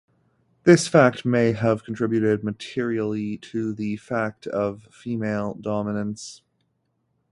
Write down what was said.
This fact may have contributed materially to the fact of female dominance.